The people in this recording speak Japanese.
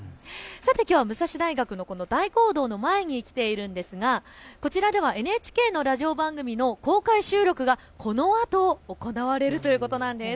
きょうは武蔵大学の大講堂の前に来ているんですがこちらではＮＨＫのラジオ番組の公開収録がこのあと行われるということなんです。